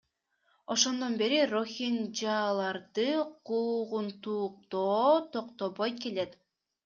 Ошондон бери рохинжаларды куугунтуктоо токтобой келет.